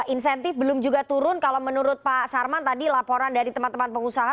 insentif belum juga turun kalau menurut pak sarman tadi laporan dari teman teman pengusaha